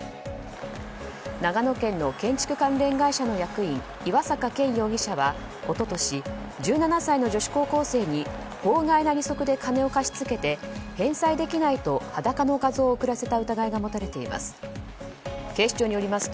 長野県の建築関連会社の役員岩坂健容疑者は、一昨年１７歳の女子高校生に法外な利息で金を貸しつけて返済できないと裸の画像を送らせた疑いが持たれています。